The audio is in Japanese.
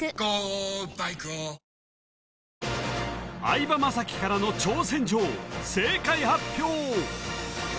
相葉雅紀からの挑戦状正解発表！